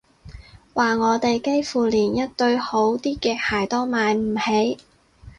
話我哋幾乎連一對好啲嘅鞋都買唔起